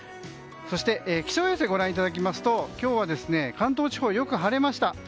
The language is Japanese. そして気象衛星をご覧いただきますと今日は関東地方、よく晴れました。